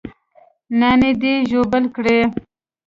نانى دې ژوبل کړى.